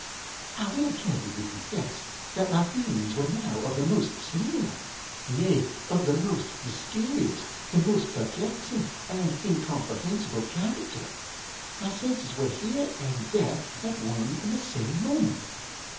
I will candidly confess that my feelings were now of the most singularŌĆönay, of the most mysterious, the most perplexing and incomprehensible character. My senses were here and there at one and the same moment.